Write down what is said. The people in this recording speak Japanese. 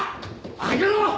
開けろ！